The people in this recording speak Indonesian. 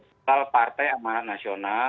dari struktural partai amalan nasional